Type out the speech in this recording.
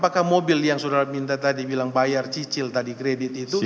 saya minta tadi bilang bayar cicil tadi kredit itu